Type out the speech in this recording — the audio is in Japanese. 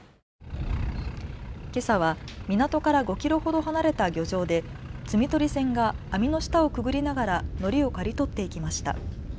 けさは港から５キロほど離れた漁場で摘み取り船が網の下をくぐりながらのりを刈り取っていきました。